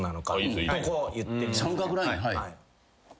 はい。